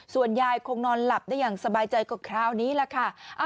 ส่วนยายคงนอนหลับได้อย่างสบายใจกว่าคราวนี้แหละค่ะ